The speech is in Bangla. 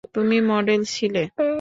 তুমি মডেল ছিলে।